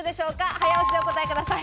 早押しでお答えください。